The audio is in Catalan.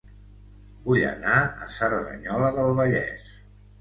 Vull anar a Cerdanyola del Vallès